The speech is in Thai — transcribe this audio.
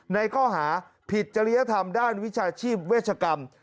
ในข้อหาผิดจริยธรรมด้านวิชาชีพเวชกรรม